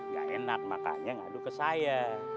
gak enak makanya ngadu ke saya